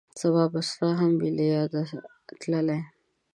سبا به ستا هم وي له یاده تللی